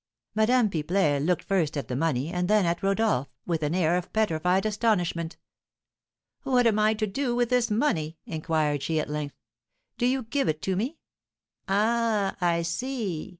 Madame Pipelet looked first at the money and then at Rodolph, with an air of petrified astonishment. "What am I to do with this money?" inquired she, at length; "do you give it to me? Ah, I see!